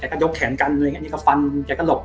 ก็ยกแขนกันอะไรอย่างนี้นี่ก็ฟันแกก็หลบ